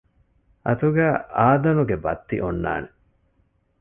އަތުގައި އާދަނުގެ ބައްތި އޮންނާނެ